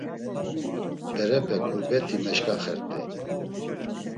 Berepe ǩurbet̆i meşǩaxert̆ey.